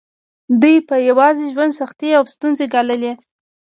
دوی به د یوازې ژوند سختې او ستونزې ګاللې.